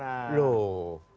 belum sampai ke sana